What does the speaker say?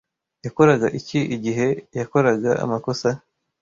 Yakoraga iki igihe yakoraga amakosa?